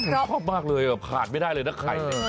จร๊อบเลยหาลากไม่ได้เลยในใคร